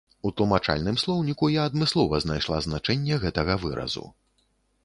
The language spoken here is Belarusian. У тлумачальным слоўніку я адмыслова знайшла значэнне гэтага выразу.